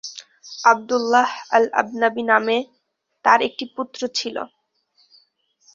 আবদুল্লাহ আল-আব্নাবী নামে তাঁর একটি পুত্র ছিল।